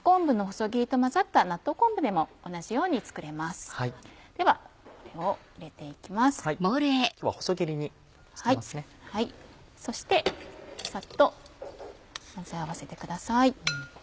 そしてさっと混ぜ合わせてください。